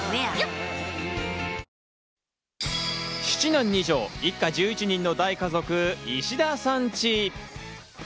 男２女一家１１人の大家族『石田さんチ』。